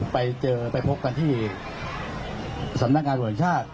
ไปเจอไปพบกันที่สำนักงานตรวจแห่งชาติ